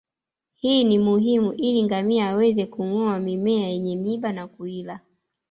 Hii ni muhimu ili ngamia aweze kungoa mimea yenye miiba na kuila